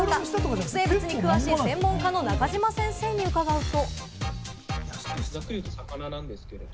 古生物に詳しい専門家の中島先生に伺うと。